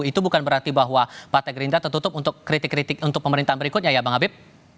itu bukan berarti bahwa partai gerindra tertutup untuk kritik kritik untuk pemerintahan berikutnya ya bang habib